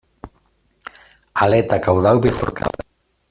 Aleta caudal bifurcada.